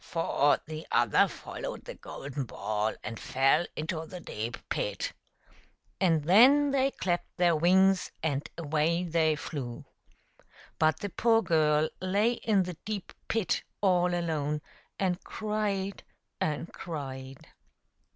" For the other followed the golden ball and fell into the deep pit !" And then they clapped their wings and away they flew. But the poor girl lay in the deep pit all alone, and cried and cried.